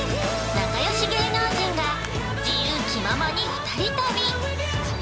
◆仲良し芸能人が自由気ままに２人旅。